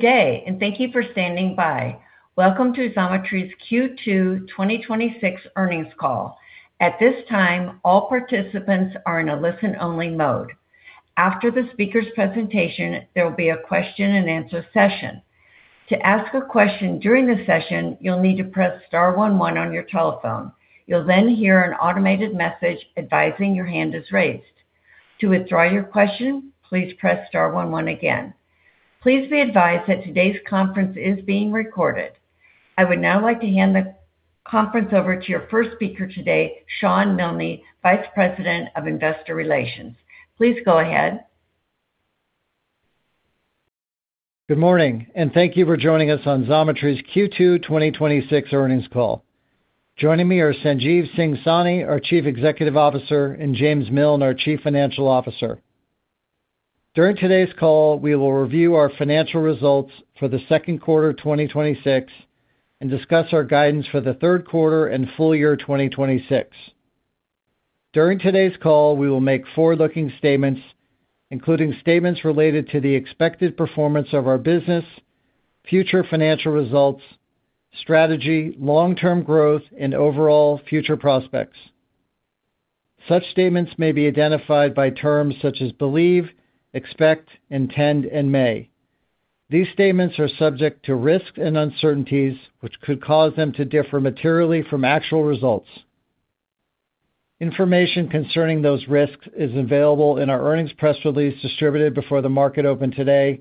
Good day, and thank you for standing by. Welcome to Xometry's Q2 2026 earnings call. At this time, all participants are in a listen-only mode. After the speaker's presentation, there will be a question and answer session. To ask a question during the session, you will need to press star one one on your telephone. You will then hear an automated message advising your hand is raised. To withdraw your question, please press star one one again. Please be advised that today's conference is being recorded. I would now like to hand the conference over to your first speaker today, Shawn Milne, Vice President of Investor Relations. Please go ahead. Good morning, and thank you for joining us on Xometry's Q2 2026 earnings call. Joining me are Sanjeev Singh Sahni, our Chief Executive Officer, and James Miln, our Chief Financial Officer. During today's call, we will review our financial results for the second quarter of 2026 and discuss our guidance for the third quarter and full year 2026. During today's call, we will make forward-looking statements, including statements related to the expected performance of our business, future financial results, strategy, long-term growth, and overall future prospects. Such statements may be identified by terms such as believe, expect, intend, and may. These statements are subject to risks and uncertainties, which could cause them to differ materially from actual results. Information concerning those risks is available in our earnings press release distributed before the market opened today,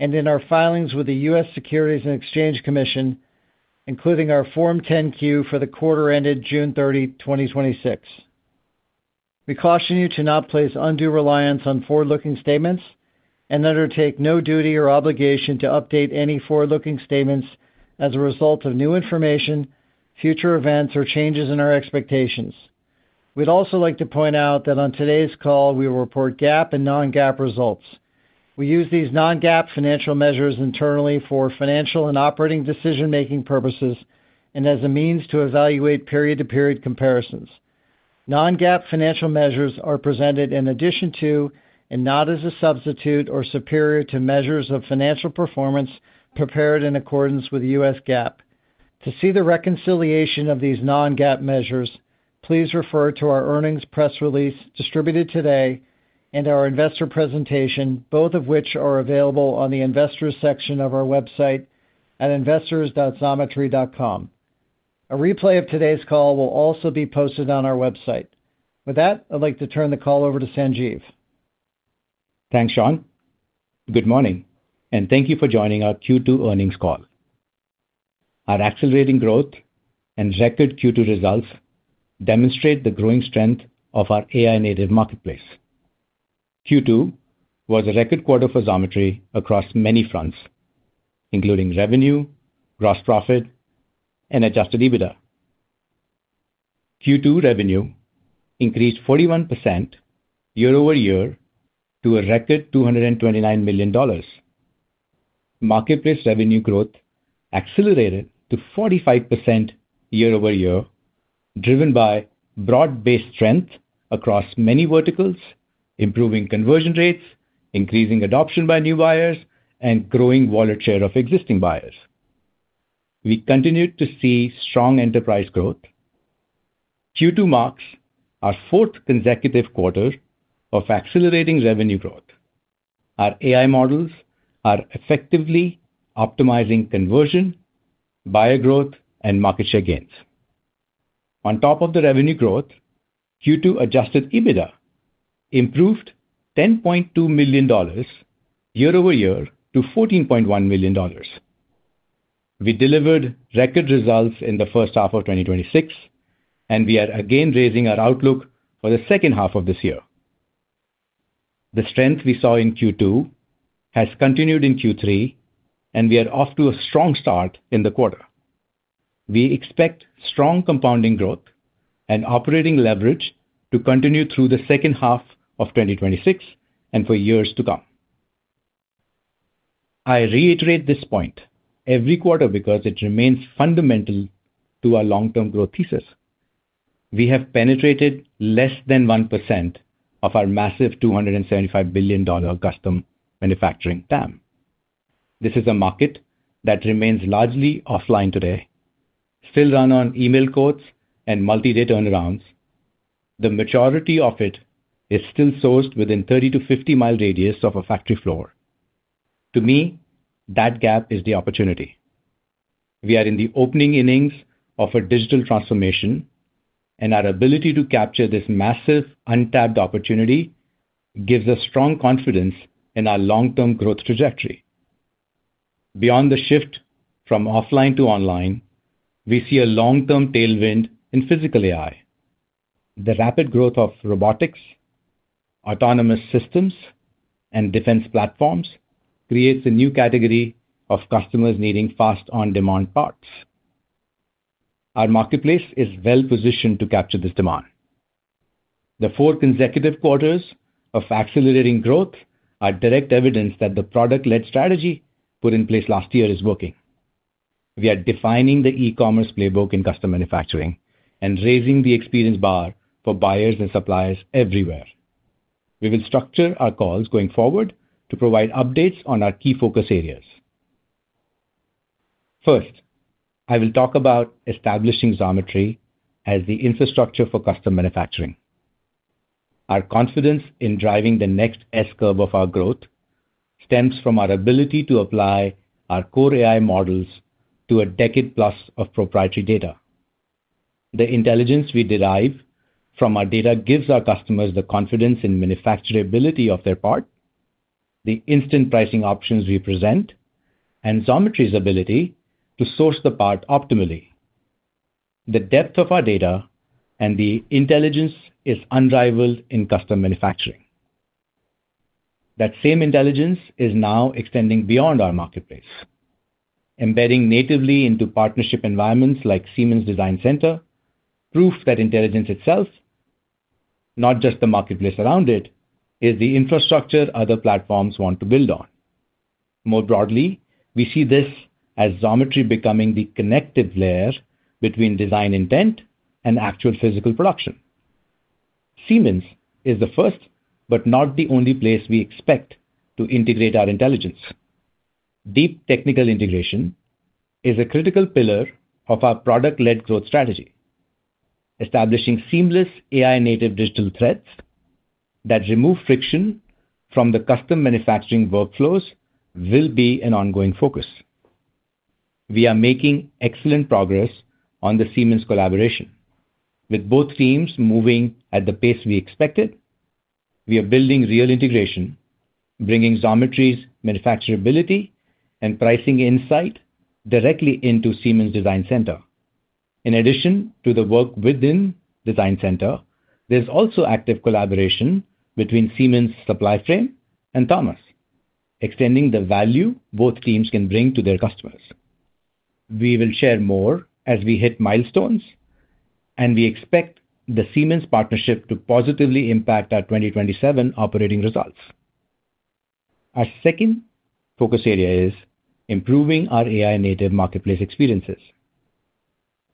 and in our filings with the U.S. Securities and Exchange Commission, including our Form 10-Q for the quarter ended June 30, 2026. We caution you to not place undue reliance on forward-looking statements and undertake no duty or obligation to update any forward-looking statements as a result of new information, future events, or changes in our expectations. We would also like to point out that on today's call, we will report GAAP and non-GAAP results. We use these non-GAAP financial measures internally for financial and operating decision-making purposes and as a means to evaluate period-to-period comparisons. Non-GAAP financial measures are presented in addition to and not as a substitute or superior to measures of financial performance prepared in accordance with U.S. GAAP. To see the reconciliation of these non-GAAP measures, please refer to our earnings press release distributed today and our investor presentation, both of which are available on the investors section of our website at investors.xometry.com. A replay of today's call will also be posted on our website. With that, I would like to turn the call over to Sanjeev. Thanks, Shawn. Good morning, and thank you for joining our Q2 earnings call. Our accelerating growth and record Q2 results demonstrate the growing strength of our AI-native marketplace. Q2 was a record quarter for Xometry across many fronts, including revenue, gross profit, and adjusted EBITDA. Q2 revenue increased 41% year-over-year to a record $229 million. Marketplace revenue growth accelerated to 45% year-over-year, driven by broad-based strength across many verticals, improving conversion rates, increasing adoption by new buyers, and growing wallet share of existing buyers. We continued to see strong enterprise growth. Q2 marks our fourth consecutive quarter of accelerating revenue growth. Our AI models are effectively optimizing conversion, buyer growth, and market share gains. On top of the revenue growth, Q2 adjusted EBITDA improved $10.2 million year-over-year to $14.1 million. We delivered record results in the first half of 2026. We are again raising our outlook for the second half of this year. The strength we saw in Q2 has continued in Q3. We are off to a strong start in the quarter. We expect strong compounding growth and operating leverage to continue through the second half of 2026 and for years to come. I reiterate this point every quarter because it remains fundamental to our long-term growth thesis. We have penetrated less than 1% of our massive $275 billion custom manufacturing TAM. This is a market that remains largely offline today, still run on email quotes and multi-day turnarounds. The majority of it is still sourced within 30 to 50-mile radius of a factory floor. To me, that gap is the opportunity. We are in the opening innings of a digital transformation. Our ability to capture this massive untapped opportunity gives us strong confidence in our long-term growth trajectory. Beyond the shift from offline to online, we see a long-term tailwind in physical AI. The rapid growth of robotics, autonomous systems, and defense platforms creates a new category of customers needing fast on-demand parts. Our marketplace is well-positioned to capture this demand. The four consecutive quarters of accelerating growth are direct evidence that the product-led strategy put in place last year is working. We are defining the e-commerce playbook in custom manufacturing and raising the experience bar for buyers and suppliers everywhere. We will structure our calls going forward to provide updates on our key focus areas. First, I will talk about establishing Xometry as the infrastructure for custom manufacturing. Our confidence in driving the next S-curve of our growth stems from our ability to apply our core AI models to a decade plus of proprietary data. The intelligence we derive from our data gives our customers the confidence in manufacturability of their part, the instant pricing options we present, and Xometry's ability to source the part optimally. The depth of our data and the intelligence is unrivaled in custom manufacturing. That same intelligence is now extending beyond our marketplace. Embedding natively into partnership environments like Siemens Design Center proves that intelligence itself, not just the marketplace around it, is the infrastructure other platforms want to build on. More broadly, we see this as Xometry becoming the connective layer between design intent and actual physical production. Siemens is the first, not the only place we expect to integrate our intelligence. Deep technical integration is a critical pillar of our product-led growth strategy. Establishing seamless AI-native digital threads that remove friction from the custom manufacturing workflows will be an ongoing focus. We are making excellent progress on the Siemens collaboration, with both teams moving at the pace we expected. We are building real integration, bringing Xometry's manufacturability and pricing insight directly into Siemens Design Center. In addition to the work within Design Center, there's also active collaboration between Siemens Supplyframe and Thomas, extending the value both teams can bring to their customers. We will share more as we hit milestones, and we expect the Siemens partnership to positively impact our 2027 operating results. Our second focus area is improving our AI-native marketplace experiences.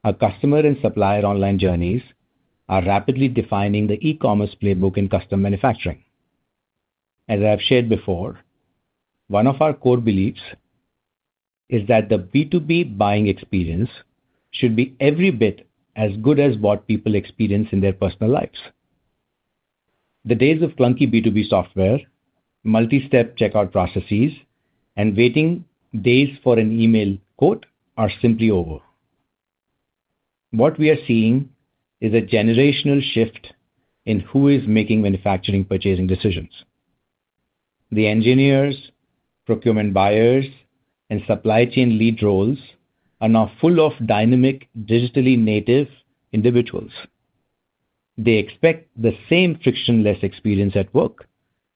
Our customer and supplier online journeys are rapidly defining the e-commerce playbook in custom manufacturing. As I've shared before, one of our core beliefs is that the B2B buying experience should be every bit as good as what people experience in their personal lives. The days of clunky B2B software, multi-step checkout processes, and waiting days for an email quote are simply over. What we are seeing is a generational shift in who is making manufacturing purchasing decisions. The engineers, procurement buyers, and supply chain lead roles are now full of dynamic, digitally native individuals. They expect the same frictionless experience at work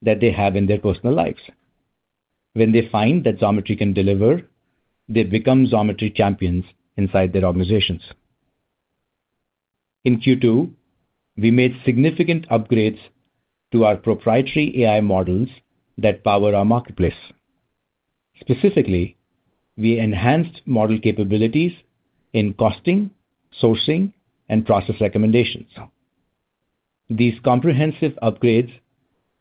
that they have in their personal lives. When they find that Xometry can deliver, they become Xometry champions inside their organizations. In Q2, we made significant upgrades to our proprietary AI models that power our marketplace. Specifically, we enhanced model capabilities in costing, sourcing, and process recommendations. These comprehensive upgrades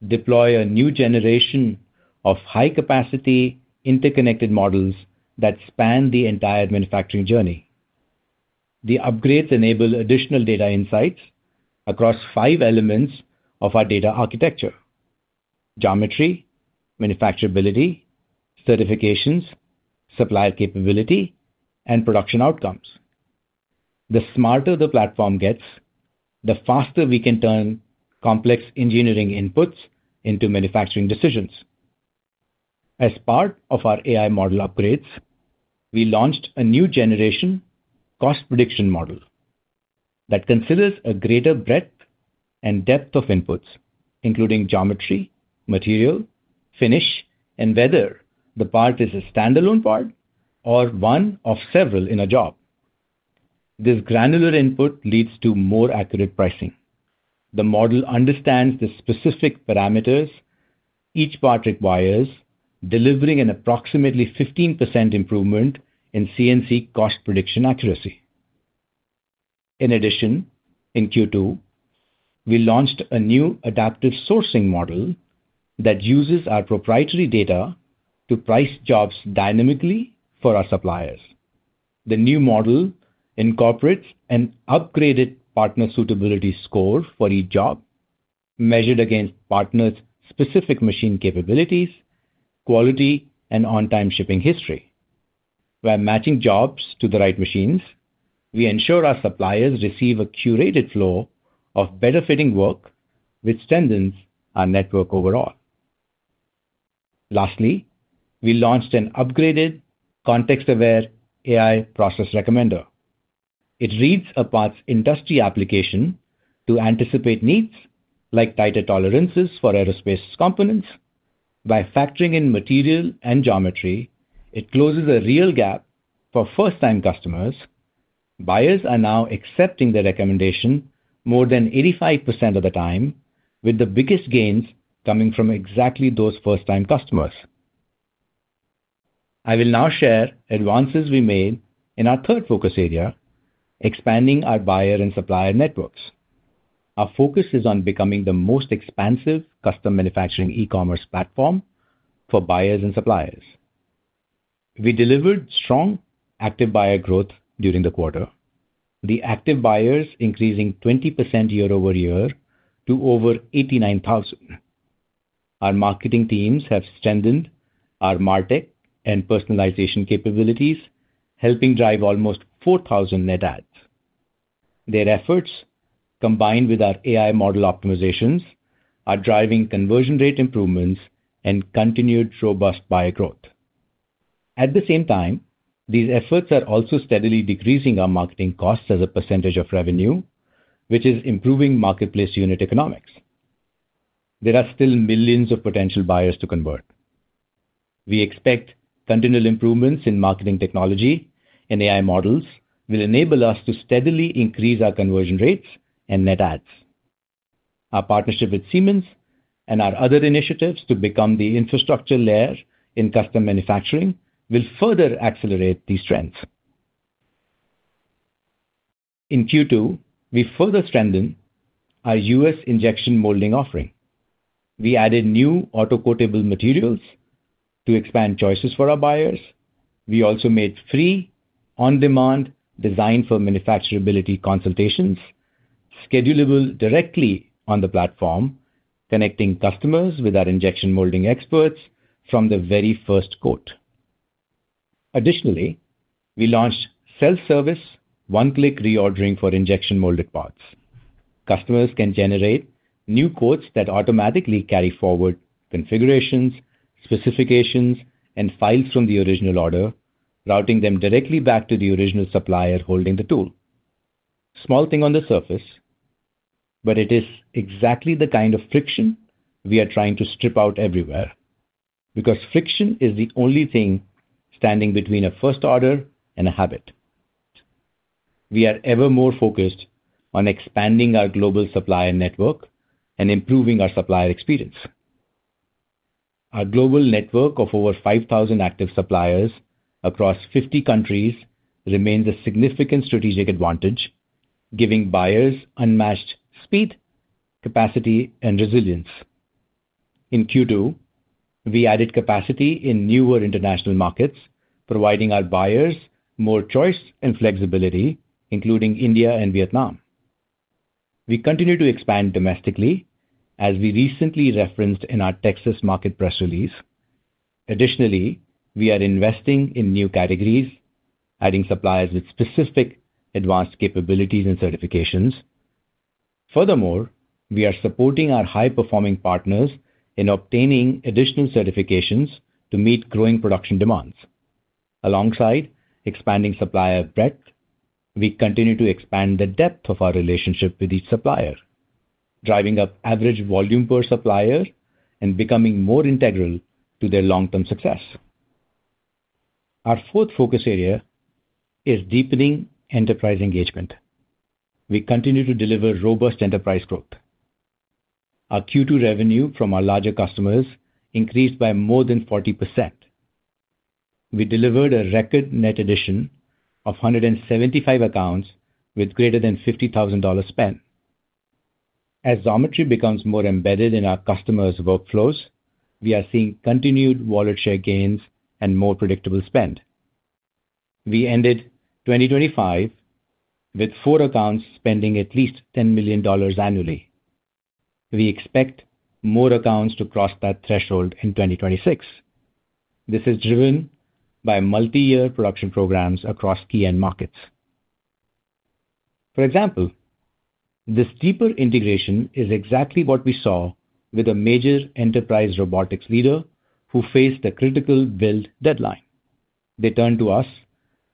deploy a new generation of high-capacity interconnected models that span the entire manufacturing journey. The upgrades enable additional data insights across five elements of our data architecture: geometry, manufacturability, certifications, supplier capability, and production outcomes. The smarter the platform gets, the faster we can turn complex engineering inputs into manufacturing decisions. As part of our AI model upgrades, we launched a new generation cost prediction model that considers a greater breadth and depth of inputs, including geometry, material, finish, and whether the part is a standalone part or one of several in a job. This granular input leads to more accurate pricing. The model understands the specific parameters each part requires, delivering an approximately 15% improvement in CNC cost prediction accuracy. In addition, in Q2, we launched a new adaptive sourcing model that uses our proprietary data to price jobs dynamically for our suppliers. The new model incorporates an upgraded partner suitability score for each job, measured against partners' specific machine capabilities, quality, and on-time shipping history. By matching jobs to the right machines, we ensure our suppliers receive a curated flow of better-fitting work, which strengthens our network overall. Lastly, we launched an upgraded context-aware AI process recommender. It reads a part's industry application to anticipate needs like tighter tolerances for aerospace components. By factoring in material and geometry, it closes a real gap for first-time customers. Buyers are now accepting the recommendation more than 85% of the time, with the biggest gains coming from exactly those first-time customers. I will now share advances we made in our third focus area, expanding our buyer and supplier networks. Our focus is on becoming the most expansive custom manufacturing e-commerce platform for buyers and suppliers. We delivered strong active buyer growth during the quarter. The active buyers increasing 20% year-over-year to over 89,000. Our marketing teams have strengthened our martech and personalization capabilities, helping drive almost 4,000 net adds. Their efforts, combined with our AI model optimizations, are driving conversion rate improvements and continued robust buyer growth. At the same time, these efforts are also steadily decreasing our marketing costs as a percentage of revenue, which is improving marketplace unit economics. There are still millions of potential buyers to convert. We expect continual improvements in marketing technology and AI models will enable us to steadily increase our conversion rates and net adds. Our partnership with Siemens and our other initiatives to become the infrastructure layer in custom manufacturing will further accelerate these trends. In Q2, we further strengthened our U.S. injection molding offering. We added new auto quotable materials to expand choices for our buyers. We also made free on-demand design for manufacturability consultations schedulable directly on the platform, connecting customers with our injection molding experts from the very first quote. Additionally, we launched self-service one-click reordering for injection molded parts. Customers can generate new quotes that automatically carry forward configurations, specifications, and files from the original order, routing them directly back to the original supplier holding the tool. Small thing on the surface, but it is exactly the kind of friction we are trying to strip out everywhere. Because friction is the only thing standing between a first order and a habit. We are ever more focused on expanding our global supplier network and improving our supplier experience. Our global network of over 5,000 active suppliers across 50 countries remains a significant strategic advantage, giving buyers unmatched speed, capacity, and resilience. In Q2, we added capacity in newer international markets, providing our buyers more choice and flexibility, including India and Vietnam. We continue to expand domestically, as we recently referenced in our Texas market press release. Additionally, we are investing in new categories, adding suppliers with specific advanced capabilities and certifications. Furthermore, we are supporting our high-performing partners in obtaining additional certifications to meet growing production demands. Alongside expanding supplier breadth, we continue to expand the depth of our relationship with each supplier, driving up average volume per supplier and becoming more integral to their long-term success. Our fourth focus area is deepening enterprise engagement. We continue to deliver robust enterprise growth. Our Q2 revenue from our larger customers increased by more than 40%. We delivered a record net addition of 175 accounts with greater than $50,000 spent. As Xometry becomes more embedded in our customers' workflows, we are seeing continued wallet share gains and more predictable spend. We ended 2025 with four accounts spending at least $10 million annually. We expect more accounts to cross that threshold in 2026. This is driven by multi-year production programs across key end markets. For example, this deeper integration is exactly what we saw with a major enterprise robotics leader who faced a critical build deadline. They turned to us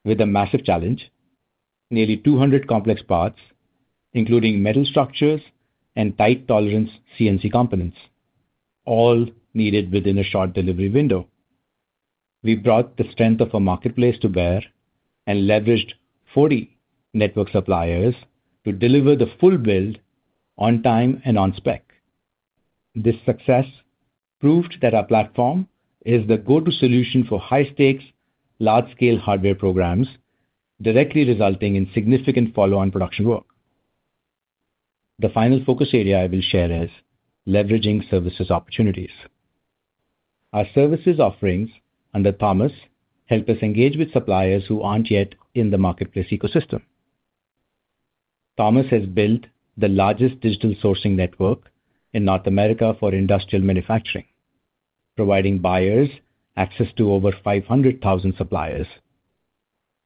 with a massive challenge, nearly 200 complex parts, including metal structures and tight tolerance CNC components, all needed within a short delivery window. We brought the strength of a marketplace to bear and leveraged 40 network suppliers to deliver the full build on time and on spec. This success proved that our platform is the go-to solution for high-stakes, large-scale hardware programs, directly resulting in significant follow-on production work. The final focus area I will share is leveraging services opportunities. Our services offerings under Thomas help us engage with suppliers who aren't yet in the marketplace ecosystem. Thomas has built the largest digital sourcing network in North America for industrial manufacturing, providing buyers access to over 500,000 suppliers.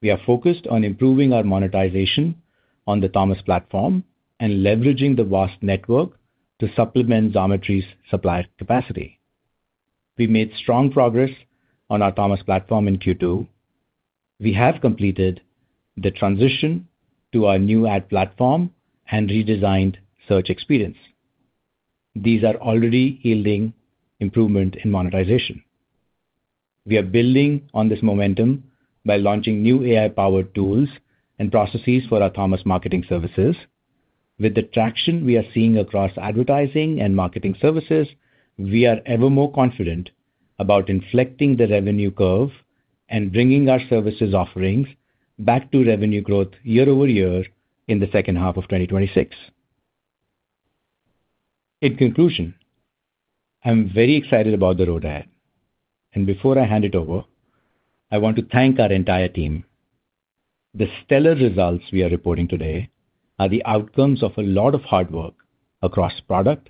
We are focused on improving our monetization on the Thomas platform and leveraging the vast network to supplement Xometry's supply capacity. We made strong progress on our Thomas platform in Q2. We have completed the transition to our new ad platform and redesigned search experience. These are already yielding improvement in monetization. We are building on this momentum by launching new AI-powered tools and processes for our Thomas marketing services. With the traction we are seeing across advertising and marketing services, we are ever more confident about inflecting the revenue curve and bringing our services offerings back to revenue growth year-over-year in the second half of 2026. In conclusion, I'm very excited about the road ahead. Before I hand it over, I want to thank our entire team. The stellar results we are reporting today are the outcomes of a lot of hard work across product,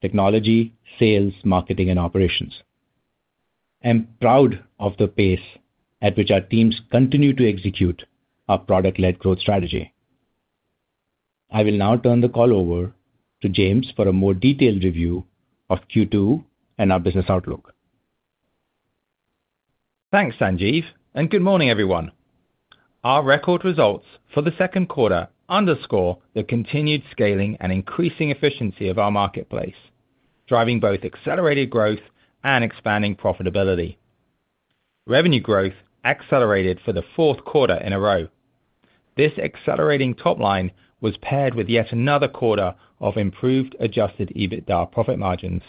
technology, sales, marketing, and operations. I'm proud of the pace at which our teams continue to execute our product-led growth strategy. I will now turn the call over to James for a more detailed review of Q2 and our business outlook. Thanks, Sanjeev. Good morning, everyone. Our record results for the second quarter underscore the continued scaling and increasing efficiency of our marketplace, driving both accelerated growth and expanding profitability. Revenue growth accelerated for the fourth quarter in a row. This accelerating top line was paired with yet another quarter of improved adjusted EBITDA profit margins.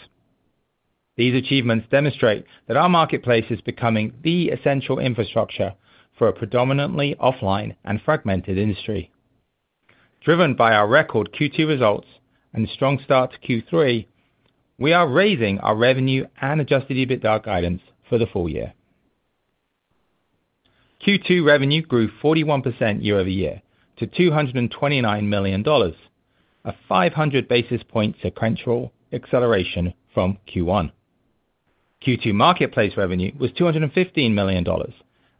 These achievements demonstrate that our marketplace is becoming the essential infrastructure for a predominantly offline and fragmented industry. Driven by our record Q2 results and strong start to Q3, we are raising our revenue and adjusted EBITDA guidance for the full year. Q2 revenue grew 41% year-over-year to $229 million, a 500 basis point sequential acceleration from Q1. Q2 marketplace revenue was $215 million,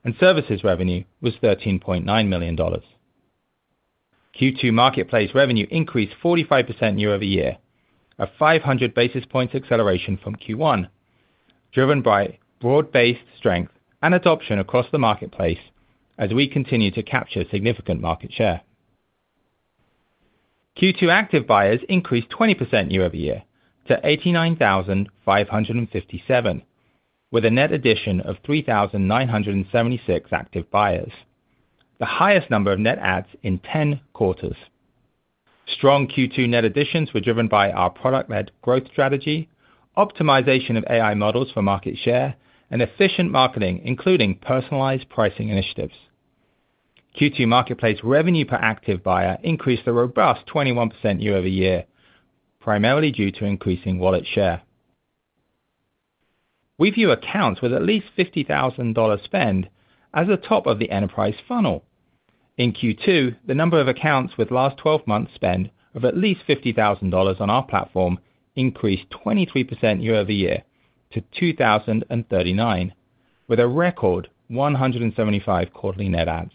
and services revenue was $13.9 million. Q2 marketplace revenue increased 45% year-over-year, a 500 basis point acceleration from Q1, driven by broad-based strength and adoption across the marketplace as we continue to capture significant market share. Q2 active buyers increased 20% year-over-year to 89,557, with a net addition of 3,976 active buyers, the highest number of net adds in 10 quarters. Strong Q2 net additions were driven by our product-led growth strategy, optimization of AI models for market share, and efficient marketing, including personalized pricing initiatives. Q2 marketplace revenue per active buyer increased a robust 21% year-over-year, primarily due to increasing wallet share. We view accounts with at least $50,000 spend as the top of the enterprise funnel. In Q2, the number of accounts with last 12 months' spend of at least $50,000 on our platform increased 23% year-over-year to 2,039, with a record 175 quarterly net adds.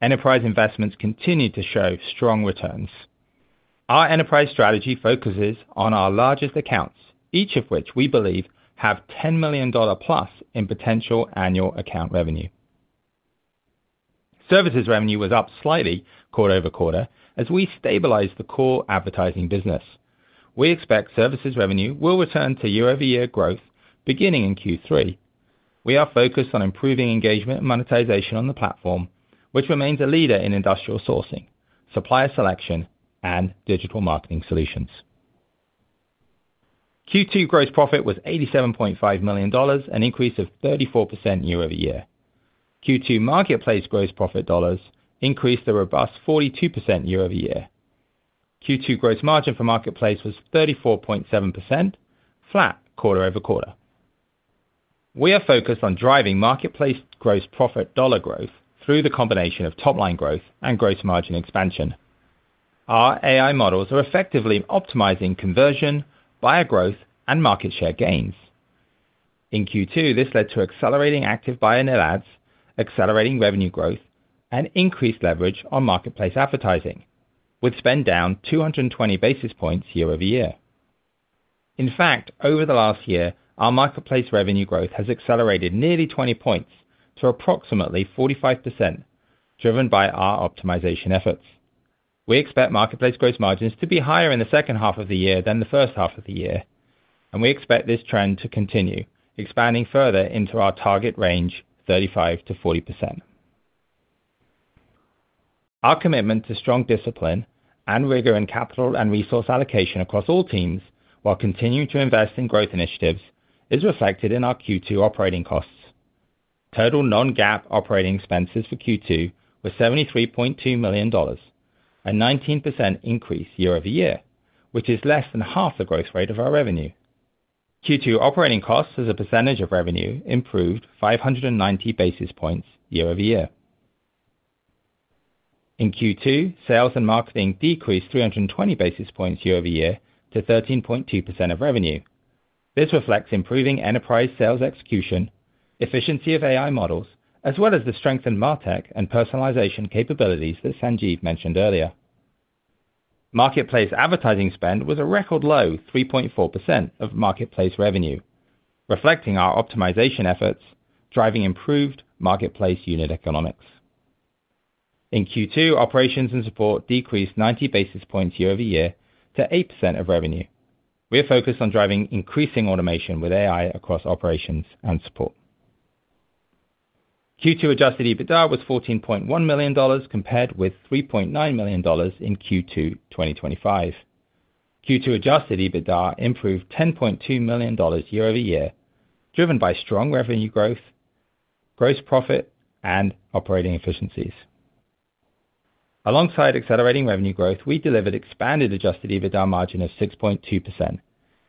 Enterprise investments continued to show strong returns. Our enterprise strategy focuses on our largest accounts, each of which we believe have $10 million plus in potential annual account revenue. Services revenue was up slightly quarter-over-quarter as we stabilized the core advertising business. We expect services revenue will return to year-over-year growth beginning in Q3. We are focused on improving engagement and monetization on the platform, which remains a leader in industrial sourcing, supplier selection, and digital marketing solutions. Q2 gross profit was $87.5 million, an increase of 34% year-over-year. Q2 marketplace gross profit dollars increased a robust 42% year-over-year. Q2 gross margin for Marketplace was 34.7%, flat quarter-over-quarter. We are focused on driving marketplace gross profit dollar growth through the combination of top-line growth and gross margin expansion. Our AI models are effectively optimizing conversion, buyer growth, and market share gains. In Q2, this led to accelerating active buyer net adds, accelerating revenue growth, and increased leverage on marketplace advertising, with spend down 220 basis points year-over-year. In fact, over the last year, our marketplace revenue growth has accelerated nearly 20 points to approximately 45%, driven by our optimization efforts. We expect marketplace gross margins to be higher in the second half of the year than the first half of the year, and we expect this trend to continue, expanding further into our target range, 35% to 40%. Our commitment to strong discipline and rigor in capital and resource allocation across all teams, while continuing to invest in growth initiatives, is reflected in our Q2 operating costs. Total non-GAAP operating expenses for Q2 were $73.2 million, a 19% increase year-over-year, which is less than half the growth rate of our revenue. Q2 operating costs as a percentage of revenue improved 590 basis points year-over-year. In Q2, sales and marketing decreased 320 basis points year-over-year to 13.2% of revenue. This reflects improving enterprise sales execution, efficiency of AI models, as well as the strength in Martech and personalization capabilities that Sanjeev mentioned earlier. Marketplace advertising spend was a record low 3.4% of marketplace revenue, reflecting our optimization efforts, driving improved marketplace unit economics. In Q2, operations and support decreased 90 basis points year-over-year to 8% of revenue. We are focused on driving increasing automation with AI across operations and support. Q2 adjusted EBITDA was $14.1 million, compared with $3.9 million in Q2 2025. Q2 adjusted EBITDA improved $10.2 million year-over-year, driven by strong revenue growth, gross profit, and operating efficiencies. Alongside accelerating revenue growth, we delivered expanded adjusted EBITDA margin of 6.2%,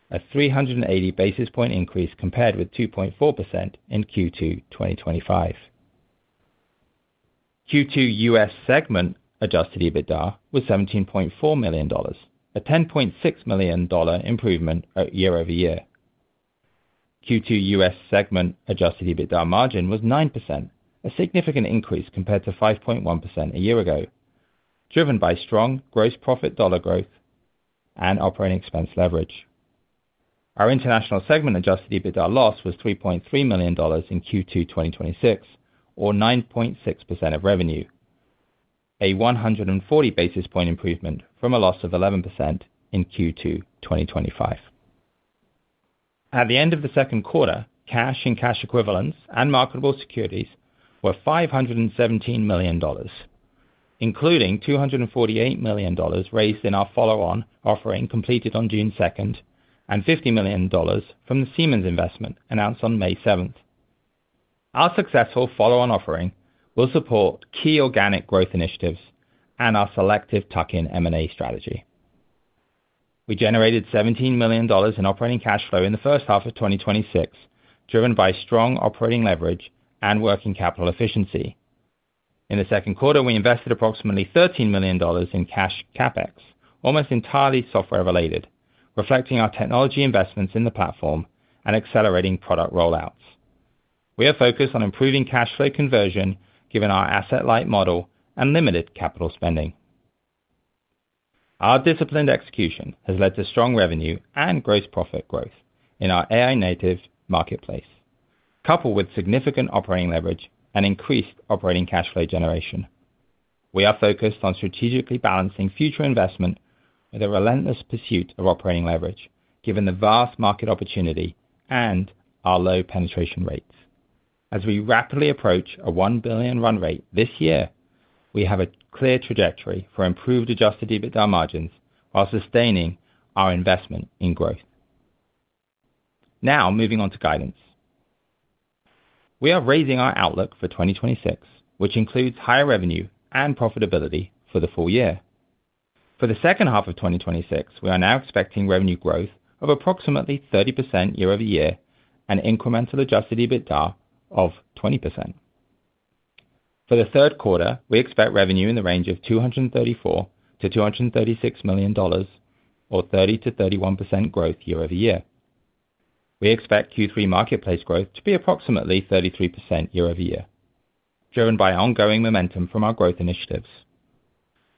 a 380 basis point increase compared with 2.4% in Q2 2025. Q2 U.S. segment adjusted EBITDA was $17.4 million, a $10.6 million improvement year-over-year. Q2 U.S. segment adjusted EBITDA margin was 9%, a significant increase compared to 5.1% a year ago, driven by strong gross profit dollar growth and operating expense leverage. Our international segment adjusted EBITDA loss was $3.3 million in Q2 2026, or 9.6% of revenue, a 140 basis point improvement from a loss of 11% in Q2 2025. At the end of the second quarter, cash and cash equivalents and marketable securities were $517 million, including $248 million raised in our follow-on offering completed on June 2nd, and $50 million from the Siemens investment announced on May 7th. Our successful follow-on offering will support key organic growth initiatives and our selective tuck-in M&A strategy. We generated $17 million in operating cash flow in the first half of 2026, driven by strong operating leverage and working capital efficiency. In the second quarter, we invested approximately $13 million in cash CapEx, almost entirely software-related, reflecting our technology investments in the platform and accelerating product rollouts. We are focused on improving cash flow conversion given our asset-light model and limited capital spending. Our disciplined execution has led to strong revenue and gross profit growth in our AI-native marketplace, coupled with significant operating leverage and increased operating cash flow generation. We are focused on strategically balancing future investment with a relentless pursuit of operating leverage, given the vast market opportunity and our low penetration rates. As we rapidly approach a 1 billion run rate this year, we have a clear trajectory for improved adjusted EBITDA margins while sustaining our investment in growth. Moving on to guidance. We are raising our outlook for 2026, which includes higher revenue and profitability for the full year. For the second half of 2026, we are now expecting revenue growth of approximately 30% year-over-year, an incremental adjusted EBITDA of 20%. For the third quarter, we expect revenue in the range of $234 to 236 million, or 30% to 31% growth year-over-year. We expect Q3 marketplace growth to be approximately 33% year-over-year, driven by ongoing momentum from our growth initiatives.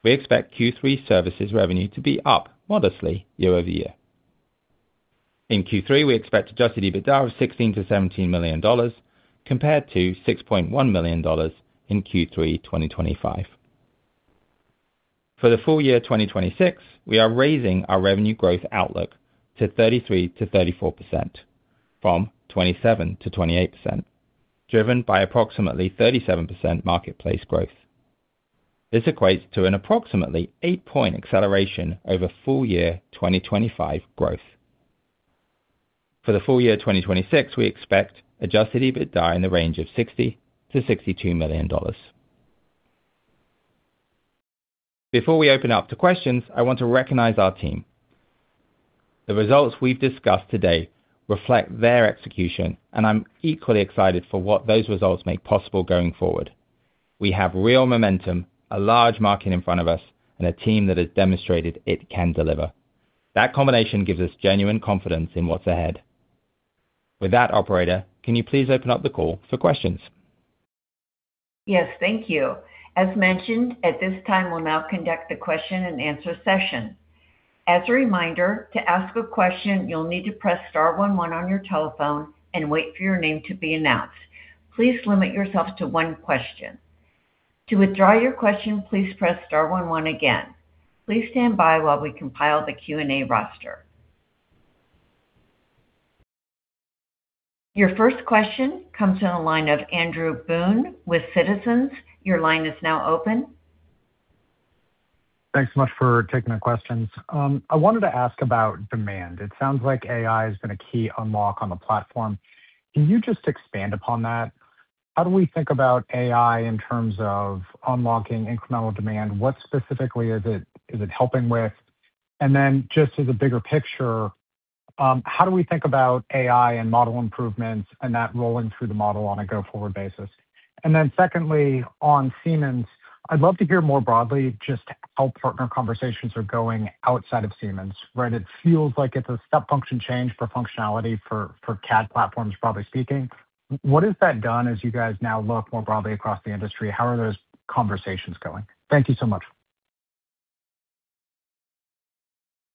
We expect Q3 services revenue to be up modestly year-over-year. In Q3, we expect adjusted EBITDA of $16 to 17 million, compared to $6.1 million in Q3 2025. For the full year 2026, we are raising our revenue growth outlook to 33% to 34%, from 27% to 28%, driven by approximately 37% marketplace growth. This equates to an approximately eight-point acceleration over full year 2025 growth. For the full year 2026, we expect adjusted EBITDA in the range of $60 to 62 million. Before we open up to questions, I want to recognize our team. The results we've discussed today reflect their execution, and I'm equally excited for what those results make possible going forward. We have real momentum, a large market in front of us, and a team that has demonstrated it can deliver. That combination gives us genuine confidence in what's ahead. With that, operator, can you please open up the call for questions? Yes. Thank you. As mentioned, at this time, we'll now conduct the question and answer session. As a reminder, to ask a question, you'll need to press star one one on your telephone and wait for your name to be announced. Please limit yourself to one question. To withdraw your question, please press star one one again. Please stand by while we compile the Q&A roster. Your first question comes in the line of Andrew Boone with Citizens. Your line is now open. Thanks so much for taking the questions. I wanted to ask about demand. It sounds like AI has been a key unlock on the platform. Can you just expand upon that? How do we think about AI in terms of unlocking incremental demand? What specifically is it helping with? Then just as a bigger picture, how do we think about AI and model improvements and that rolling through the model on a go-forward basis? Secondly, on Siemens, I'd love to hear more broadly just how partner conversations are going outside of Siemens, right? It feels like it's a step function change for functionality for CAD platforms, broadly speaking. What has that done as you guys now look more broadly across the industry? How are those conversations going? Thank you so much.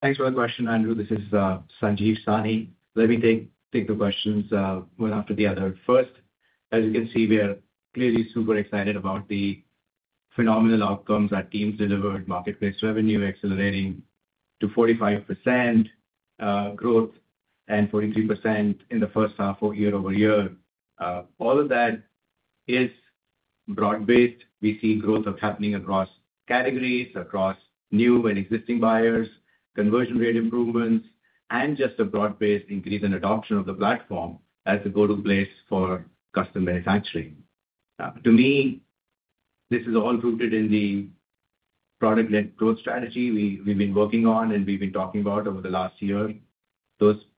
Thanks for the question, Andrew. This is Sanjeev Sahni. Let me take the questions one after the other. First, as you can see, we are clearly super excited about. Phenomenal outcomes our teams delivered. Marketplace revenue accelerating to 45% growth and 43% in the first half for year-over-year. All of that is broad-based. We see growth happening across categories, across new and existing buyers, conversion rate improvements, and just a broad-based increase in adoption of the platform as a go-to place for custom manufacturing. To me, this is all rooted in the product-led growth strategy we've been working on and we've been talking about over the last year.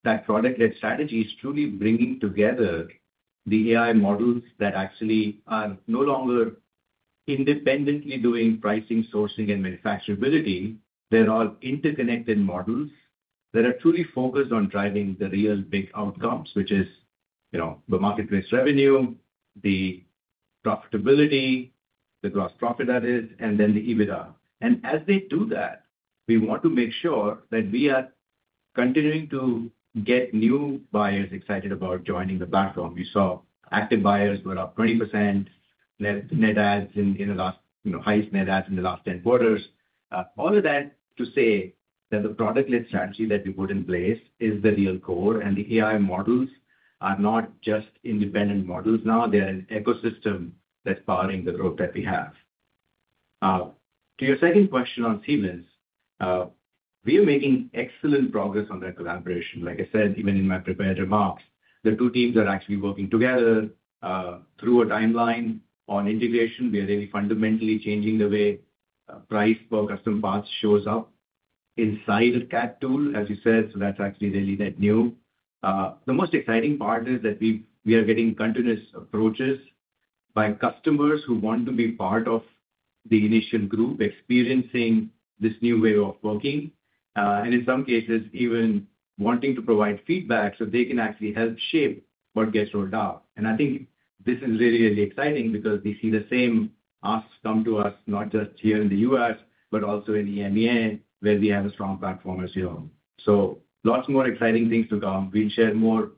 That product-led strategy is truly bringing together the AI models that actually are no longer independently doing pricing, sourcing, and manufacturability. They're all interconnected models that are truly focused on driving the real big outcomes, which is the marketplace revenue, the profitability, the gross profit that is, and then the EBITDA. As they do that, we want to make sure that we are continuing to get new buyers excited about joining the platform. We saw active buyers were up 20%, highest net adds in the last 10 quarters. All of that to say that the product-led strategy that we put in place is the real core. The AI models are not just independent models now, they're an ecosystem that's powering the growth that we have. To your second question on Siemens, we are making excellent progress on that collaboration. Like I said, even in my prepared remarks, the two teams are actually working together through a timeline on integration. We are really fundamentally changing the way price for custom parts shows up inside a CAD tool, as you said. That's actually really net new. The most exciting part is that we are getting continuous approaches by customers who want to be part of the initial group experiencing this new way of working, and in some cases, even wanting to provide feedback so they can actually help shape what gets rolled out. I think this is really, really exciting because we see the same asks come to us, not just here in the U.S., but also in EMEA, where we have a strong platform as well. So lots more exciting things to come. We'll share more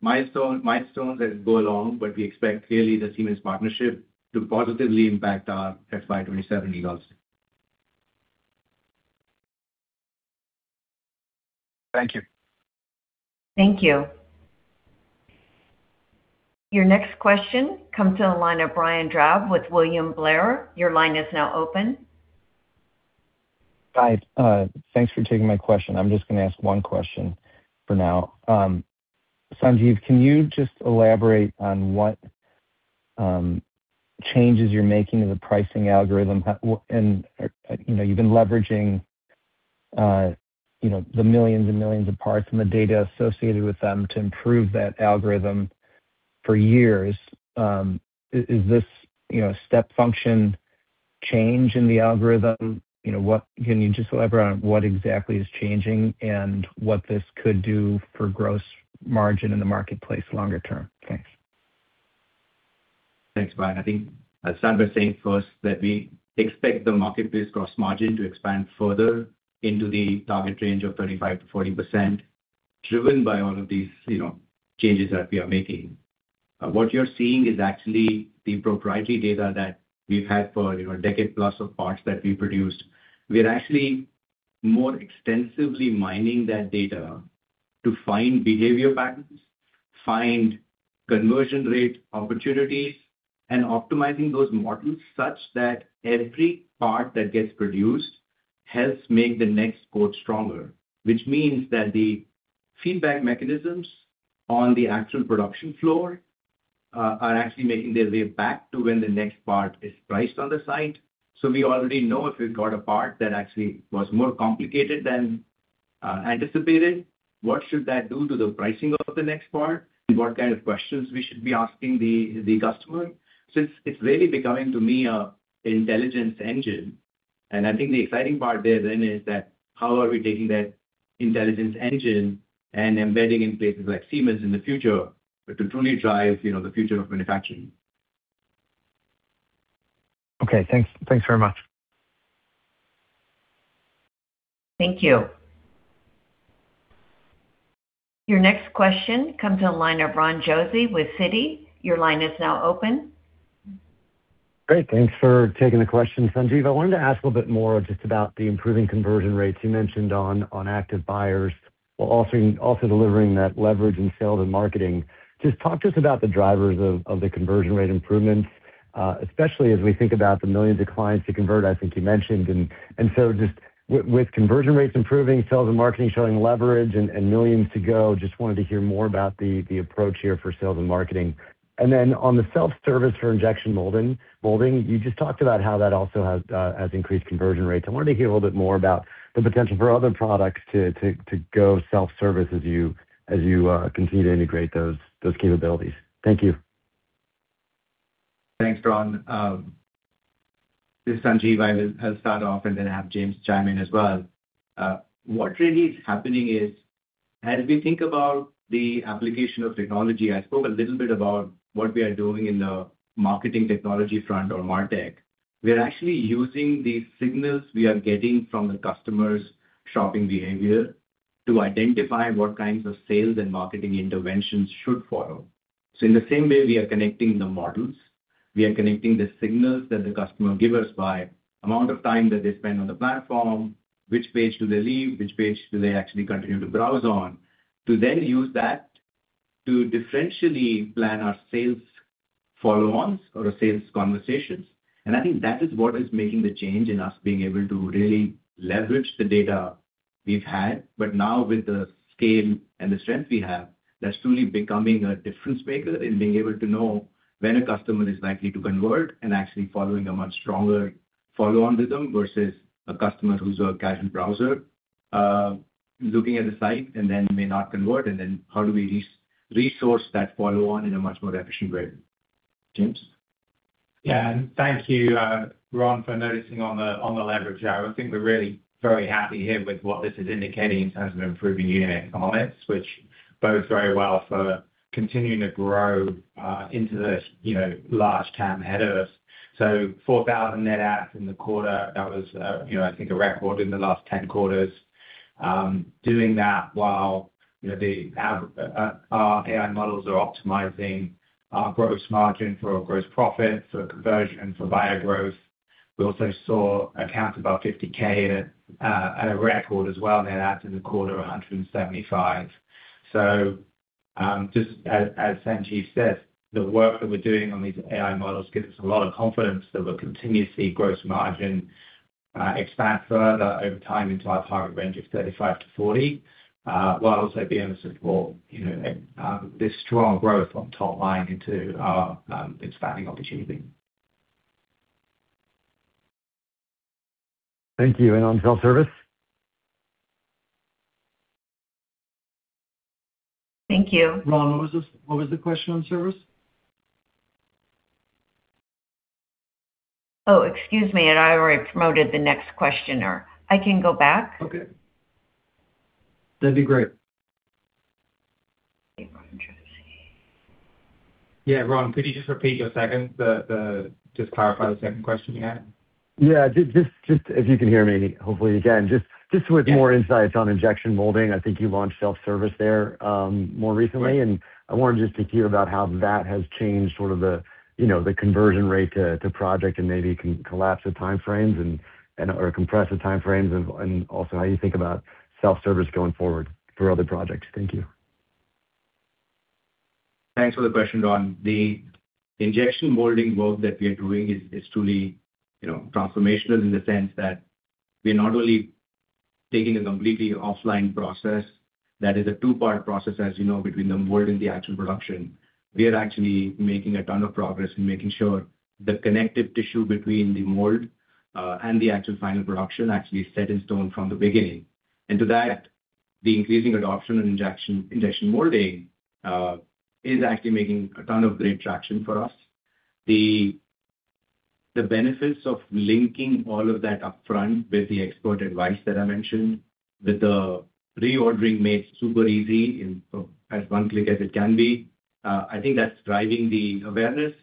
milestones as we go along, but we expect, clearly, the Siemens partnership to positively impact our FY27 results. Thank you. Thank you. Your next question comes on the line of Brian Drab with William Blair. Your line is now open. Hi. Thanks for taking my question. I'm just going to ask one question for now. Sanjeev, can you just elaborate on what changes you're making in the pricing algorithm? You've been leveraging the millions and millions of parts and the data associated with them to improve that algorithm for years. Is this a step function change in the algorithm? Can you just elaborate on what exactly is changing and what this could do for gross margin in the marketplace longer term? Thanks. Thanks, Brian. I think I'll start by saying first that we expect the marketplace gross margin to expand further into the target range of 35% to 40%, driven by all of these changes that we are making. What you're seeing is actually the proprietary data that we've had for a decade plus of parts that we produced. We're actually more extensively mining that data to find behavior patterns, find conversion rate opportunities, and optimizing those models such that every part that gets produced helps make the next quote stronger. That the feedback mechanisms on the actual production floor are actually making their way back to when the next part is priced on the site. We already know if we've got a part that actually was more complicated than anticipated, what should that do to the pricing of the next part? What kind of questions we should be asking the customer. It's really becoming, to me, an intelligence engine. I think the exciting part there then is that, how are we taking that intelligence engine and embedding in places like Siemens in the future to truly drive the future of manufacturing? Okay. Thanks very much. Thank you. Your next question comes on the line of Ron Josey with Citi. Your line is now open. Great. Thanks for taking the question, Sanjeev. I wanted to ask a little bit more just about the improving conversion rates you mentioned on active buyers, while also delivering that leverage in sales and marketing. Talk to us about the drivers of the conversion rate improvements, especially as we think about the millions of clients to convert, I think you mentioned. With conversion rates improving, sales and marketing showing leverage and millions to go, just wanted to hear more about the approach here for sales and marketing. On the self-service for injection molding, you just talked about how that also has increased conversion rates. I wanted to hear a little bit more about the potential for other products to go self-service as you continue to integrate those capabilities. Thank you. Thanks, Ron. This is Sanjeev. I'll start off and then have James chime in as well. As we think about the application of technology, I spoke a little bit about what we are doing in the marketing technology front or Martech. We're actually using the signals we are getting from the customers' shopping behavior to identify what kinds of sales and marketing interventions should follow. In the same way we are connecting the models, we are connecting the signals that the customer give us by amount of time that they spend on the platform, which page do they leave, which page do they actually continue to browse on, to then use that to differentially plan our sales follow-ons or our sales conversations. I think that is what is making the change in us being able to really leverage the data we've had. Now with the scale and the strength we have, that's truly becoming a difference maker in being able to know when a customer is likely to convert and actually following a much stronger follow-on with them, versus a customer who's a casual browser, looking at the site and then may not convert. How do we resource that follow-on in a much more efficient way. James? Yeah. Thank you, Ron, for noticing on the leverage there. I think we're really very happy here with what this is indicating in terms of improving unit economics, which bodes very well for continuing to grow into the large TAM ahead of us. 4,000 net adds in the quarter. That was, I think, a record in the last 10 quarters. Doing that while our AI models are optimizing our gross margin for our gross profit, for conversion, for buyer growth. We also saw accounts above $50,000 at a record as well, net adds in the quarter of 175. Just as Sanjeev said, the work that we're doing on these AI models gives us a lot of confidence that we'll continue to see gross margin expand further over time into our target range of 35% to 40%, while also being able to support this strong growth on top line into our expanding opportunity. Thank you. On self-service? Thank you. Ron, what was the question on service? Oh, excuse me. I already promoted the next questioner. I can go back. Okay. That'd be great. Let me try to see. Yeah, Ron, could you just repeat your second, just clarify the second question you had? Yeah. Just, if you can hear me, hopefully you can. Just with more insights on injection molding, I think you launched self-service there more recently. Yeah. I wanted just to hear about how that has changed sort of the conversion rate to project and maybe can collapse the time frames or compress the time frames and, also, how you think about self-service going forward for other projects. Thank you. Thanks for the question, Ron. The injection molding work that we are doing is truly transformational in the sense that we're not only taking a completely offline process that is a two-part process, as you know, between the mold and the actual production. We are actually making a ton of progress in making sure the connective tissue between the mold, and the actual final production, actually is set in stone from the beginning. To that, the increasing adoption in injection molding is actually making a ton of great traction for us. The benefits of linking all of that upfront with the expert advice that I mentioned, with the reordering made super easy in as one click as it can be, I think that's driving the awareness,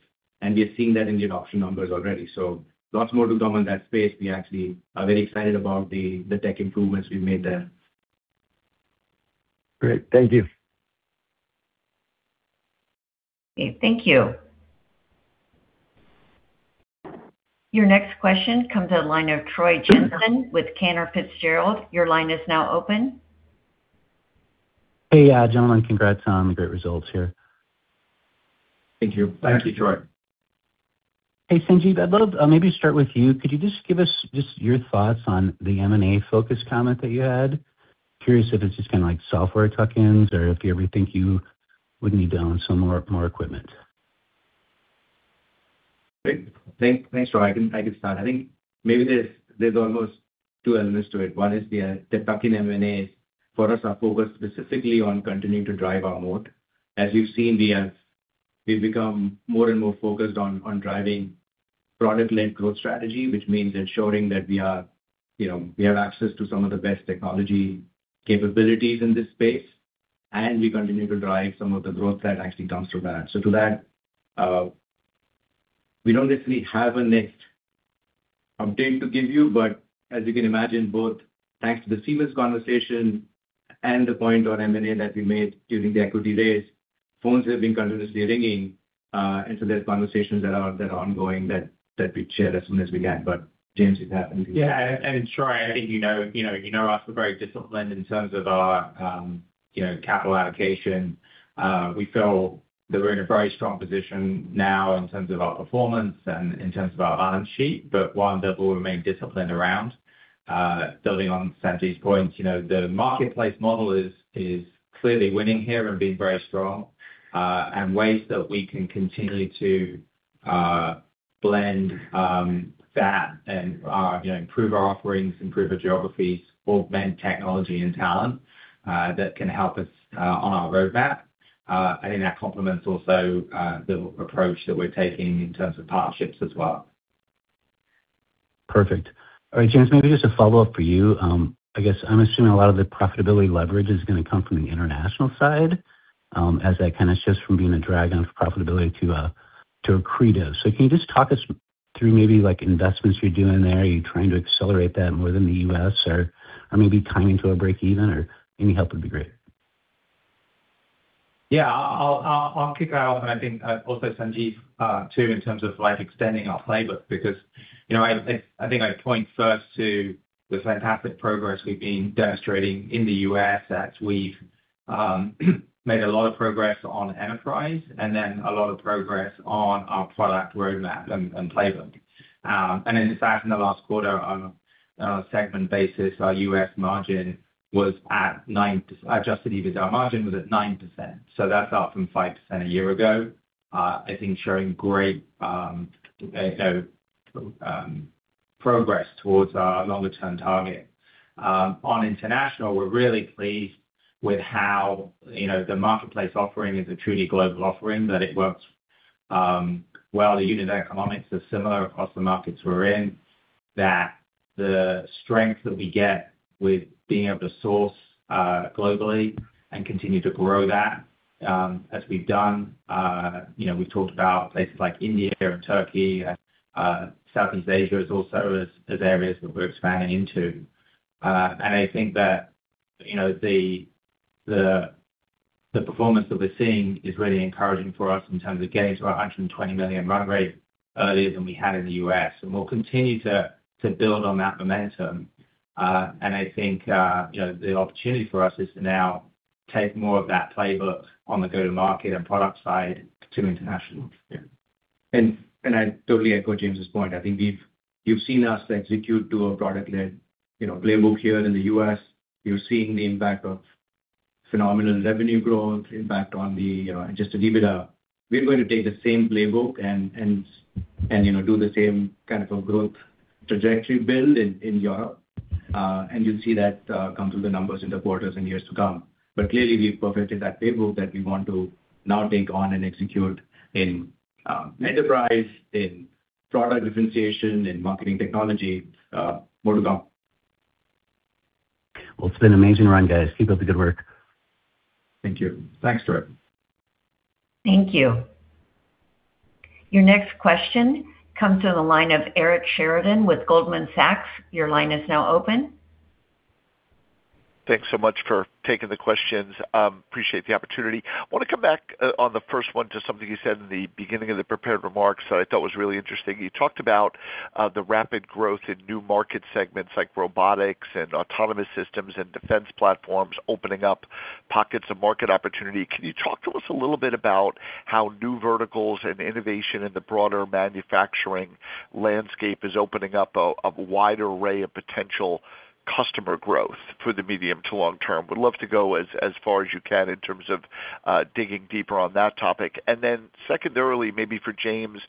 and we are seeing that in the adoption numbers already. Lots more to come on that space. We actually are very excited about the tech improvements we've made there. Great. Thank you. Okay, thank you. Your next question comes to the line of Troy Jensen with Cantor Fitzgerald. Your line is now open. Hey, gentlemen. Congrats on the great results here. Thank you. Thank you, Troy. Hey, Sanjeev, I'll maybe start with you. Could you just give us just your thoughts on the M&A focus comment that you had? Curious if it's just kind of like software tuck-ins or if you ever think you would need to own some more equipment. Great. Thanks, Troy. I can start. I think maybe there's almost two elements to it. One is the tuck-in M&As for us are focused specifically on continuing to drive our moat. As you've seen, we've become more and more focused on driving product-led growth strategy, which means ensuring that we have access to some of the best technology capabilities in this space, and we continue to drive some of the growth that actually comes from that. To that, we don't necessarily have a next update to give you, but as you can imagine, both thanks to the Siemens conversation and the point on M&A that we made during the equity raise, phones have been continuously ringing. There's conversations that are ongoing that we'd share as soon as we can. James, you can add anything. Troy, I think you know us. We're very disciplined in terms of our capital allocation. We feel that we're in a very strong position now in terms of our performance and in terms of our balance sheet. One that we'll remain disciplined around. Building on Sanjeev's point, the marketplace model is clearly winning here and being very strong. Ways that we can continue to blend that and improve our offerings, improve our geographies, augment technology and talent, that can help us on our roadmap. I think that complements also, the approach that we're taking in terms of partnerships as well. Perfect. All right, James, maybe just a follow-up for you. I guess I'm assuming a lot of the profitability leverage is going to come from the international side, as that kind of shifts from being a drag on profitability to accretive. Can you just talk us through maybe investments you're doing there? Are you trying to accelerate that more than the U.S. or maybe timing to a breakeven or any help would be great. Yeah. I'll kick off and I think, also Sanjeev, too, in terms of extending our playbook because I think I'd point first to the fantastic progress we've been demonstrating in the U.S., that we've made a lot of progress on enterprise and then a lot of progress on our product roadmap and playbook. In fact, in the last quarter on a segment basis, our U.S. margin was at adjusted EBITDA, our margin was at 9%, that's up from 5% a year ago. I think showing great progress towards our longer-term target. On international, we're really pleased with how the marketplace offering is a truly global offering, that it works well, the unit economics are similar across the markets we're in, that the strength that we get with being able to source globally and continue to grow that, as we've done. We've talked about places like India, Turkey, Southeast Asia is also as areas that we're expanding into. I think that, the performance that we're seeing is really encouraging for us in terms of getting to our $120 million run rate earlier than we had in the U.S. We'll continue to build on that momentum. I think, the opportunity for us is to now take more of that playbook on the go-to-market and product side to international. Yeah. I totally echo James' point. I think you've seen us execute to a product-led playbook here in the U.S. You're seeing the impact of phenomenal revenue growth. We're going to take the same playbook and do the same kind of a growth trajectory build in Europe. You'll see that come through the numbers in the quarters and years to come. Clearly, we've perfected that playbook that we want to now take on and execute in enterprise, in product differentiation, in marketing technology, more to come. Well, it's been an amazing run, guys. Keep up the good work. Thank you. Thanks, Troy. Thank you. Your next question comes to the line of Eric Sheridan with Goldman Sachs. Your line is now open. Thanks so much for taking the questions. Appreciate the opportunity. I want to come back on the first one to something you said in the beginning of the prepared remarks that I thought was really interesting. You talked about the rapid growth in new market segments like robotics and autonomous systems and defense platforms opening up pockets of market opportunity. Can you talk to us a little bit about how new verticals and innovation in the broader manufacturing landscape is opening up a wider array of potential customer growth for the medium to long term? Would love to go as far as you can in terms of digging deeper on that topic. Secondarily, maybe for James,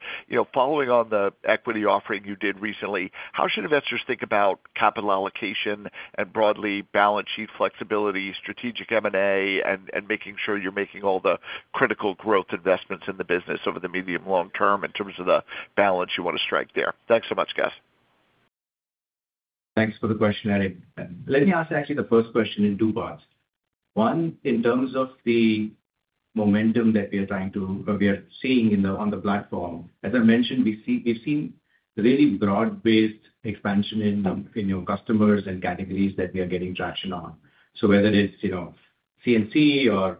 following on the equity offering you did recently, how should investors think about capital allocation and broadly balance sheet flexibility, strategic M&A, and making sure you're making all the critical growth investments in the business over the medium long term in terms of the balance you want to strike there? Thanks so much, guys. Thanks for the question, Eric. Let me ask actually the first question in two parts. One, in terms of the momentum that we are trying to, or we are seeing on the platform, as I mentioned, we've seen really broad-based expansion in your customers and categories that we are getting traction on. Whether it's CNC or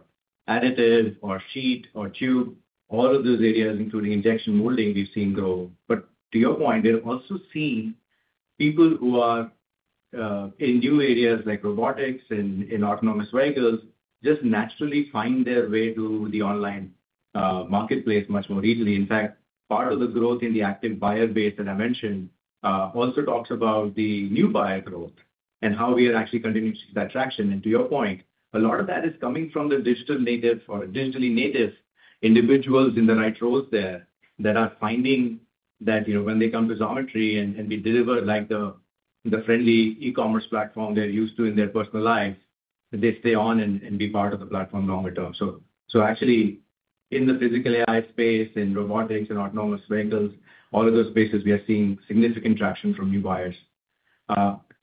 additive or sheet or tube, all of those areas, including injection molding, we've seen grow. To your point, we have also seen people who are in new areas like robotics and in autonomous vehicles, just naturally find their way to the online marketplace much more easily. In fact, part of the growth in the active buyer base that I mentioned, also talks about the new buyer growth and how we are actually continuing to see that traction. To your point, a lot of that is coming from the digital native or digitally native individuals in the right roles there that are finding that, when they come to Xometry and we deliver the friendly e-commerce platform they're used to in their personal life, they stay on and be part of the platform longer term. Actually in the physical AI space, in robotics and autonomous vehicles, all of those spaces, we are seeing significant traction from new buyers.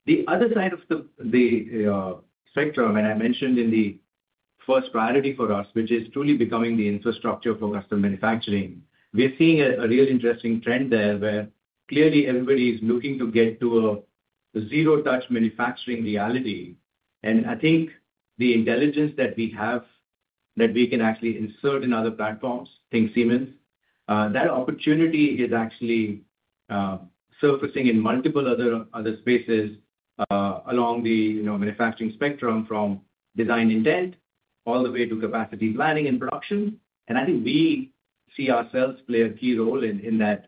The other side of the spectrum, I mentioned in the first priority for us, which is truly becoming the infrastructure for customer manufacturing, we are seeing a real interesting trend there, where clearly everybody is looking to get to a zero-touch manufacturing reality. I think the intelligence that we have, that we can actually insert in other platforms, think Siemens, that opportunity is actually surfacing in multiple other spaces along the manufacturing spectrum, from design intent all the way to capacity planning and production. I think we see ourselves play a key role in that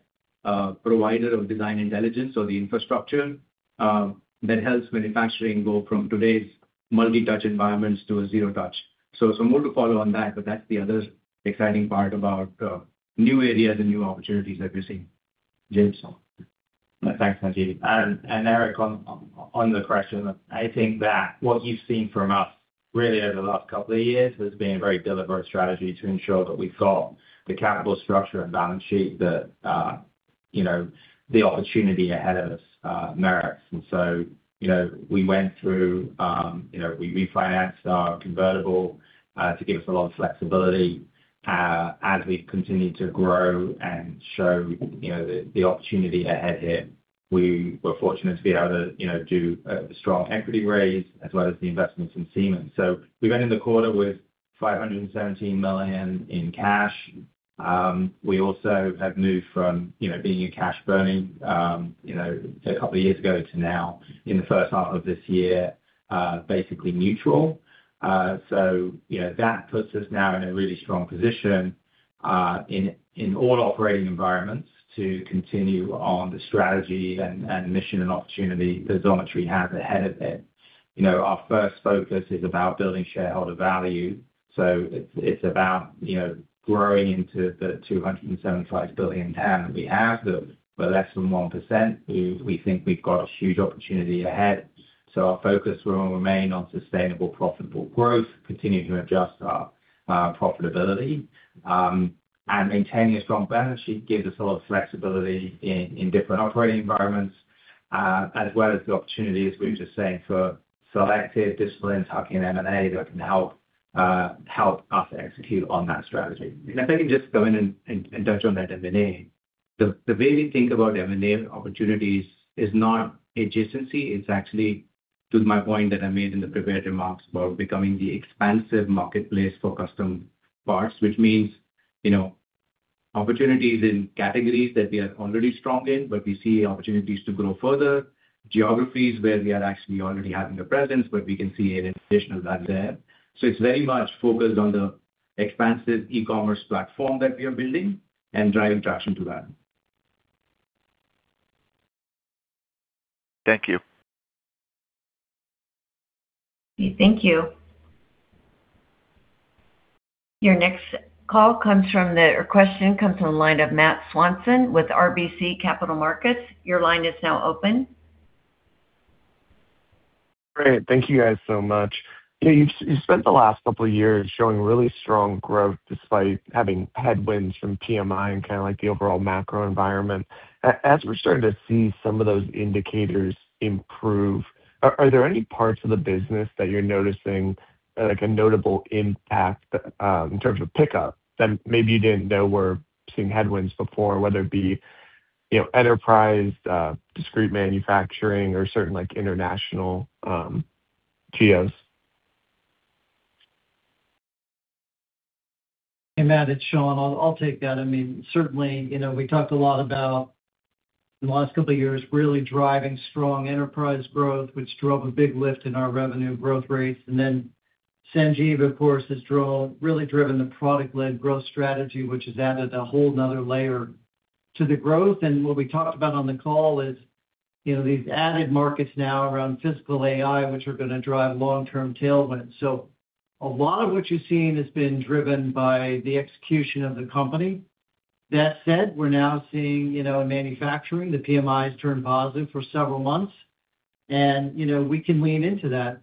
provider of design intelligence or the infrastructure that helps manufacturing go from today's multi-touch environments to a zero-touch. More to follow on that, but that's the other exciting part about new areas and new opportunities that we're seeing. James? Thanks, Sanjeev. Eric, on the question, I think that what you've seen from us Really over the last couple of years, there's been a very deliberate strategy to ensure that we've got the capital structure and balance sheet that the opportunity ahead of us merits. We went through, we refinanced our convertible to give us a lot of flexibility as we continued to grow and show the opportunity ahead here. We were fortunate to be able to do a strong equity raise as well as the investments in Siemens. We went in the quarter with $517 million in cash. We also have moved from being a cash burning a couple of years ago to now in the first half of this year, basically neutral. That puts us now in a really strong position, in all operating environments to continue on the strategy and mission and opportunity that Xometry has ahead of it. Our first focus is about building shareholder value. It's about growing into the 275 billion TAM that we have, that we're less than 1%, we think we've got a huge opportunity ahead. Our focus will remain on sustainable, profitable growth, continuing to adjust our profitability. Maintaining a strong balance sheet gives us a lot of flexibility in different operating environments, as well as the opportunity, as we were just saying, for selective discipline, talking M&A, that can help us execute on that strategy. If I can just go in and touch on that M&A. The way we think about M&A opportunities is not adjacency, it's actually to my point that I made in the prepared remarks about becoming the expansive marketplace for custom parts, which means opportunities in categories that we are already strong in, but we see opportunities to grow further, geographies where we are actually already having a presence, but we can see an additional add there. It's very much focused on the expansive e-commerce platform that we are building and driving traction to that. Thank you. Thank you. Your next question comes from the line of Matt Swanson with RBC Capital Markets. Your line is now open. Great. Thank you guys so much. You've spent the last couple of years showing really strong growth despite having headwinds from PMI and kind of like the overall macro environment. As we're starting to see some of those indicators improve, are there any parts of the business that you're noticing, like a notable impact, in terms of pickup that maybe you didn't know were seeing headwinds before, whether it be enterprise, discrete manufacturing, or certain like international geos? Hey, Matt, it's Shawn. I'll take that. Certainly, we talked a lot about the last couple of years really driving strong enterprise growth, which drove a big lift in our revenue growth rates. Sanjeev, of course, has really driven the product-led growth strategy, which has added a whole another layer to the growth. What we talked about on the call is these added markets now around physical AI, which are gonna drive long-term tailwinds. A lot of what you're seeing has been driven by the execution of the company. That said, we're now seeing in manufacturing, the PMIs turn positive for several months, and we can lean into that.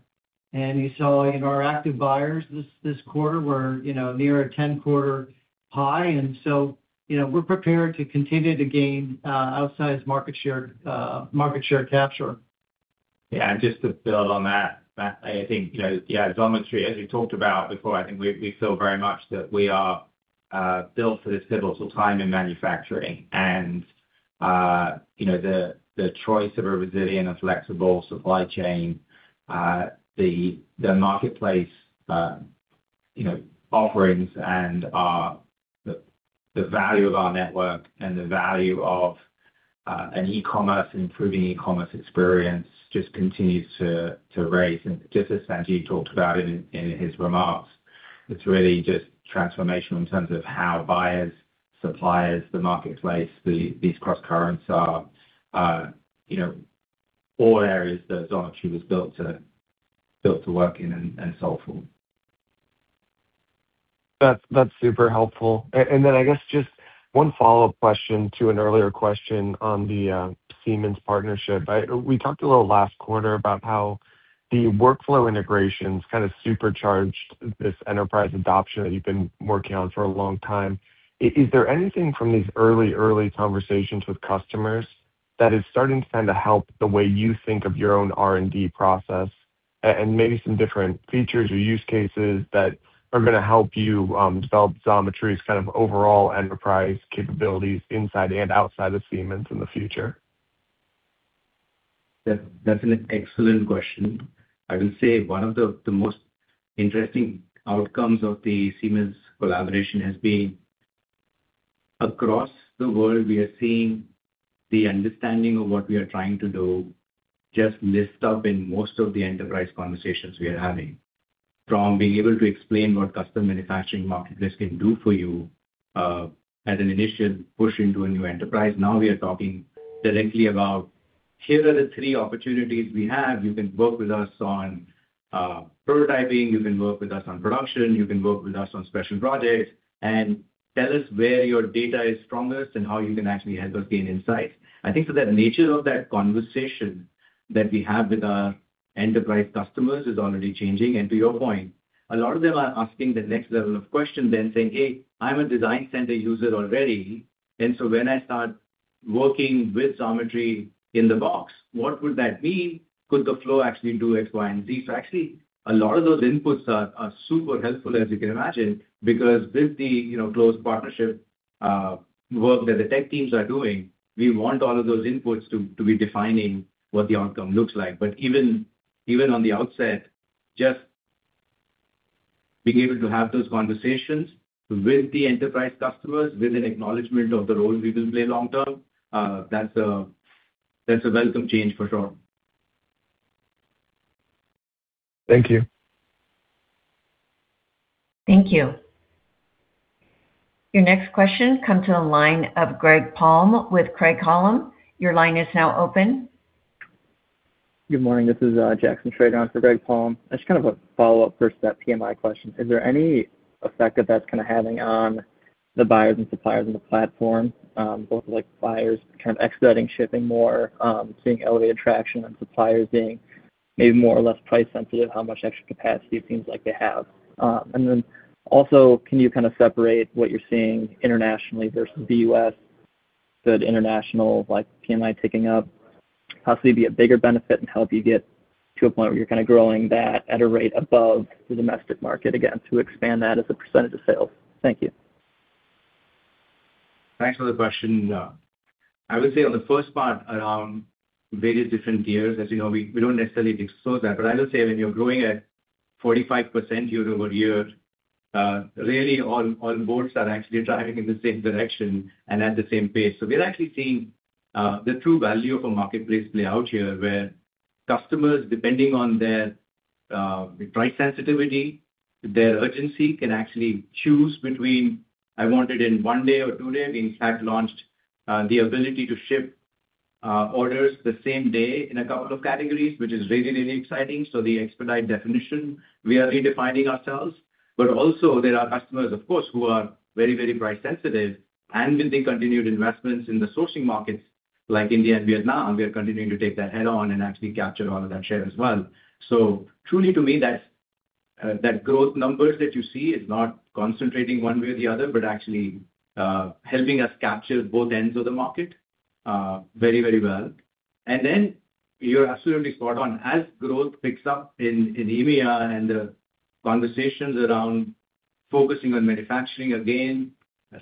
You saw in our active buyers this quarter, we're near a 10-quarter high, and so we're prepared to continue to gain outsized market share capture. Yeah, just to build on that, Matt, I think Xometry, as we talked about before, I think we feel very much that we are built for this pivotal time in manufacturing. The choice of a resilient and flexible supply chain, the marketplace offerings and the value of our network and the value of an improving e-commerce experience just continues to raise. Just as Sanjeev talked about in his remarks, it's really just transformational in terms of how buyers, suppliers, the marketplace, these crosscurrents are all areas that Xometry was built to work in and solve for. That's super helpful. Then I guess just one follow-up question to an earlier question on the Siemens partnership. We talked a little last quarter about how the workflow integrations kind of supercharged this enterprise adoption that you've been working on for a long time. Is there anything from these early conversations with customers that is starting to kind of help the way you think of your own R&D process, and maybe some different features or use cases that are gonna help you develop Xometry's kind of overall enterprise capabilities inside and outside of Siemens in the future? That's an excellent question. I will say one of the most interesting outcomes of the Siemens collaboration has been across the world, we are seeing the understanding of what we are trying to do just list up in most of the enterprise conversations we are having. From being able to explain what custom manufacturing marketplace can do for you, as an initial push into a new enterprise. Now we are talking directly about, here are the three opportunities we have. You can work with us on prototyping, you can work with us on production, you can work with us on special projects, and tell us where your data is strongest and how you can actually help us gain insight. I think for the nature of that conversation that we have with our enterprise customers is already changing. To your point, a lot of them are asking the next level of question then saying, "Hey, I'm a Design Center user already, when I start working with Xometry in the box, what would that mean? Could the flow actually do X, Y, and Z?" Actually, a lot of those inputs are super helpful, as you can imagine, because with the close partnership, work that the tech teams are doing, we want all of those inputs to be defining what the outcome looks like. Even on the outset, just being able to have those conversations with the enterprise customers, with an acknowledgement of the role we will play long term, that's a welcome change for sure. Thank you. Thank you. Your next question comes to the line of Greg Palm with Craig-Hallum. Your line is now open. Good morning. This is Jackson Schroeder on for Greg Palm. Just kind of a follow-up first to that PMI question. Is there any effect that that's kind of having on the buyers and suppliers in the platform, both like buyers kind of expediting shipping more, seeing elevated traction, and suppliers being maybe more or less price sensitive, how much extra capacity it seems like they have? Then also, can you kind of separate what you're seeing internationally versus the U.S., the international like PMI ticking up, possibly be a bigger benefit and help you get to a point where you're kind of growing that at a rate above the domestic market, again, to expand that as a percentage of sales? Thank you. Thanks for the question. I would say on the first part around various different tiers, as you know, we don't necessarily disclose that. I would say when you're growing at 45% year-over-year, really all boards are actually driving in the same direction and at the same pace. We're actually seeing the true value of a marketplace play out here, where customers, depending on their price sensitivity, their urgency, can actually choose between I want it in one day or two day. We in fact launched the ability to ship orders the same day in a couple of categories, which is really, really exciting. The expedite definition, we are redefining ourselves. Also there are customers, of course, who are very, very price sensitive, and with the continued investments in the sourcing markets like India and Vietnam, we are continuing to take that head on and actually capture a lot of that share as well. Truly to me, that growth numbers that you see is not concentrating one way or the other, but actually helping us capture both ends of the market very, very well. Then you're absolutely spot on. As growth picks up in EMEA and the conversations around focusing on manufacturing again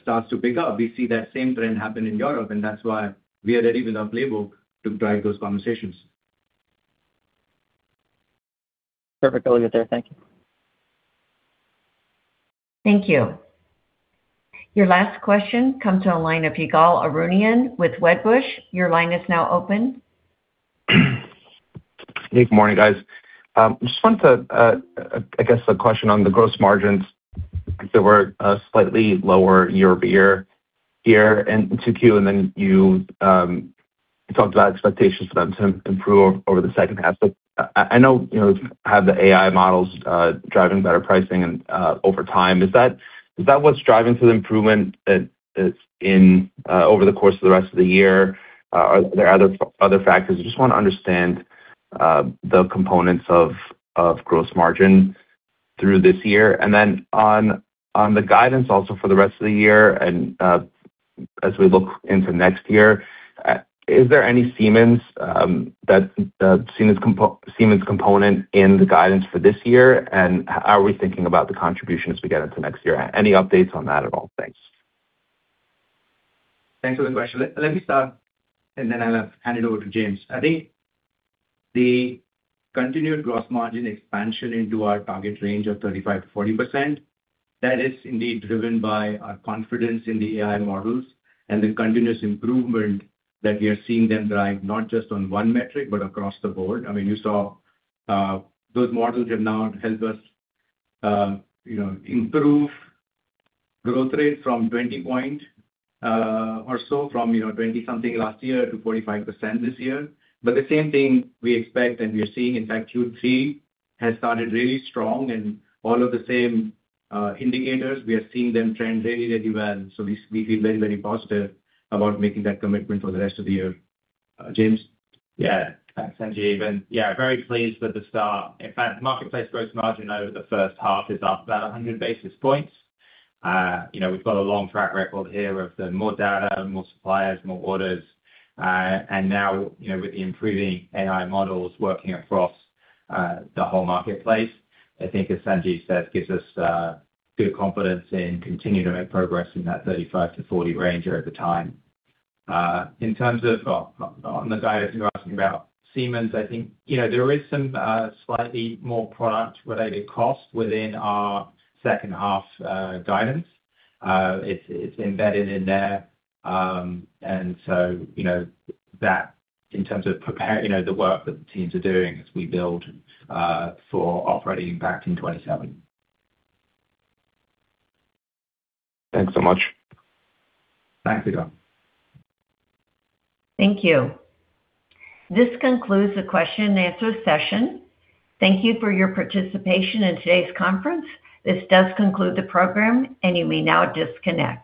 starts to pick up, we see that same trend happen in Europe, and that's why we are ready with our playbook to drive those conversations. Perfect. I'll leave it there. Thank you. Thank you. Your last question comes to the line of Ygal Arounian with Wedbush. Your line is now open. Good morning, guys. I guess a question on the gross margins. They were slightly lower year-over-year here in 2Q, then you talked about expectations for them to improve over the second half. I know you have the AI models driving better pricing over time. Is that what's driving to the improvement over the course of the rest of the year? Are there other factors? I just want to understand the components of gross margin through this year. Then on the guidance also for the rest of the year and as we look into next year, is there any Siemens component in the guidance for this year, and how are we thinking about the contribution as we get into next year? Any updates on that at all? Thanks. Thanks for the question. Let me start, then I'll hand it over to James. The continued gross margin expansion into our target range of 35% to 40%, that is indeed driven by our confidence in the AI models and the continuous improvement that we are seeing them drive, not just on one metric, but across the board. I mean, you saw those models have now helped us improve growth rate from 20 point or so from 20 something last year to 45% this year. The same thing we expect and we are seeing, in fact, Q3 has started really strong and all of the same indicators, we are seeing them trend really, really well. We feel very, very positive about making that commitment for the rest of the year. James? Yeah. Thanks, Sanjeev. Yeah, very pleased with the start. In fact, marketplace gross margin over the first half is up about 100 basis points. We've got a long track record here of the more data, more suppliers, more orders. Now, with the improving AI models working across the whole marketplace, I think as Sanjeev said, gives us good confidence in continuing to make progress in that 35-40 range over time. In terms of, well, on the guidance, you're asking about Siemens, I think there is some slightly more product related cost within our second half guidance. It's embedded in there. That in terms of prepare, the work that the teams are doing as we build for operating back in 2027. Thanks so much. Thanks, Ygal. Thank you. This concludes the question and answer session. Thank you for your participation in today's conference. This does conclude the program, and you may now disconnect.